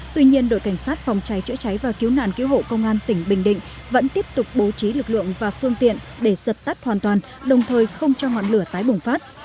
tuy nhiên đội cảnh sát phòng cháy chữa cháy và cứu nạn cứu hộ công an tỉnh bình định vẫn tiếp tục bố trí lực lượng và phương tiện để dập tắt hoàn toàn đồng thời không cho ngọn lửa tái bùng phát